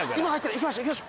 行きましょ！